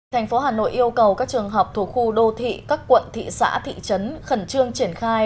thành phố hà nội yêu cầu các trường học thuộc khu đô thị các quận thị xã thị trấn khẩn trương triển khai